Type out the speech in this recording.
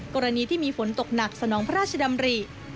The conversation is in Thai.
กรณีที่มีฝนตกหนักสนองพระราชดำริ